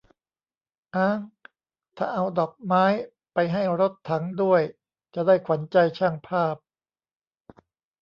อ๊าง ถ้าเอาดอกไม้ไปให้รถถังด้วย จะได้ 'ขวัญใจช่างภาพ'